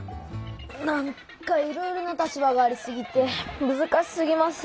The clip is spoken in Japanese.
なんかいろいろな立場がありすぎてむずかしすぎます。